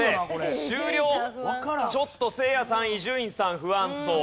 ちょっとせいやさん伊集院さん不安そう。